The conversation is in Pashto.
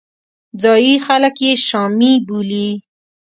ځایي خلک یې شامي بولي.